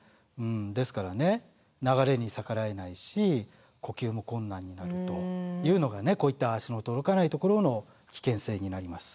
ですからね流れに逆らえないし呼吸も困難になるというのがねこういった足の届かない所の危険性になります。